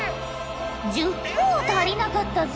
１０ほぉ足りなかったぞ。